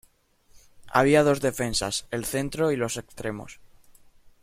Había dos defensas, el centro y los extremos.